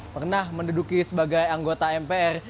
pernah menduduki sebagai anggota mpr